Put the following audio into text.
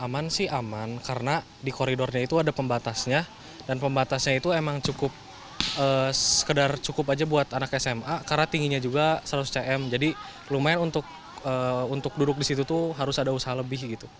aman sih aman karena di koridornya itu ada pembatasnya dan pembatasnya itu emang cukup sekedar cukup aja buat anak sma karena tingginya juga seratus cm jadi lumayan untuk duduk di situ tuh harus ada usaha lebih gitu